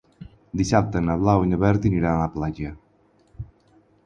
Dissabte na Blau i na Berta aniran a la platja.